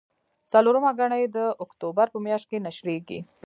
څلورمه ګڼه یې د اکتوبر په میاشت کې نشریږي.